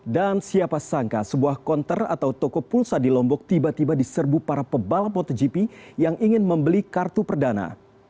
dan siapa sangka sebuah konter atau toko pulsa di lombok tiba tiba diserbu para pebalap motogp yang ingin membeli kartu perdana